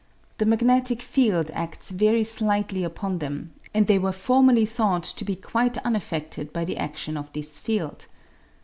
The magnetic field adts very slightly upon them, and they were formerly thought to be quite unaff'edted by the action of this field.